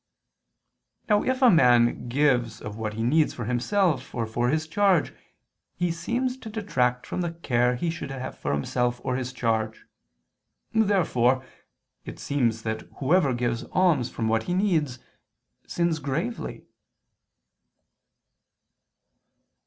Now if a man gives of what he needs for himself or for his charge, he seems to detract from the care he should have for himself or his charge. Therefore it seems that whoever gives alms from what he needs, sins gravely.